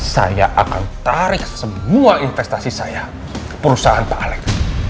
saya akan tarik semua investasi saya ke perusahaan pak alex